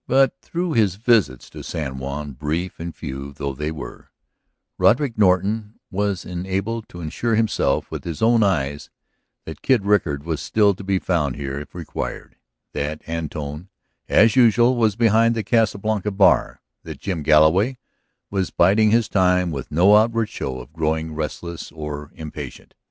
But through his visits to San Juan, brief and few though they were, Roderick Norton was enabled to assure himself with his own eyes that Kid Rickard was still to be found here if required, that Antone, as usual, was behind the Casa Blanca bar; that Jim Galloway was biding his time with no outward show of growing restless or impatient.